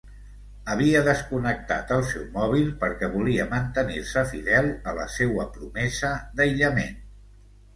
Havia desconnectat el seu mòbil perquè volia mantenir-se fidel a la seua promesa d'aïllament.